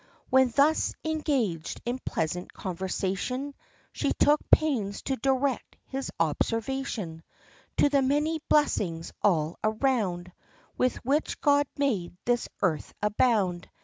When thus engaged in pleasant conversation, She took pains to direct his observation To the many blessings all around, With which God made this earth abound.